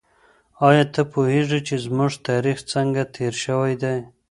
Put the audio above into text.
ايا ته پوهېږې چي زموږ تاريخ څنګه تېر شوی دی؟